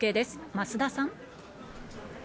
増田さん。